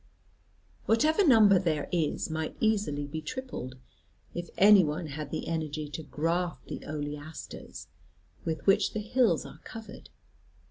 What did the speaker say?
Whatever number there is might easily be tripled, if any one had the energy to graft the oleasters, with which the hills are covered.